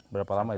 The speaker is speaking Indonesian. berapa lama itu